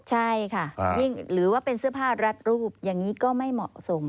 ใช่ค่ะยิ่งหรือว่าเป็นเสื้อผ้ารัดรูปอย่างนี้ก็ไม่เหมาะสม